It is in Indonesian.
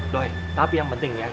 doy tapi yang penting ya